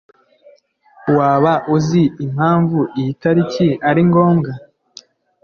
Waba uzi impamvu iyi tariki ari ngombwa?